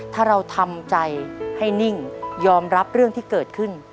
ถ้าเราทำใจให้นิ่งยอมรับเรื่องที่เกิดขึ้น